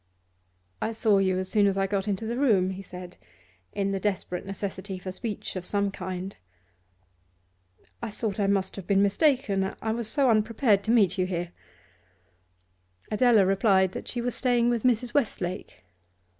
'I saw you as soon as I got into the room,' he said, in the desperate necessity for speech of some kind. 'I thought I must have been mistaken; I was so unprepared to meet you here.' Adela replied that she was staying with Mrs. Westlake.